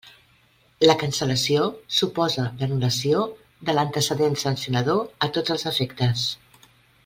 La cancel·lació suposa l'anul·lació de l'antecedent sancionador a tots els efectes.